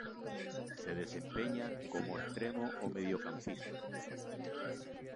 Se desempeña como extremo o mediocampista.